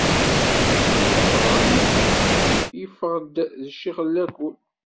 Yeɣra armi i ifukk, yeffeɣ-d d ccix n lakul.